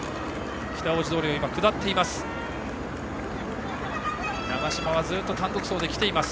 北大路通を今、下っています。